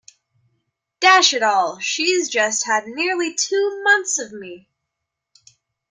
Dash it all, she's just had nearly two months of me.